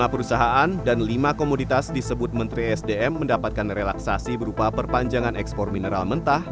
lima perusahaan dan lima komoditas disebut menteri sdm mendapatkan relaksasi berupa perpanjangan ekspor mineral mentah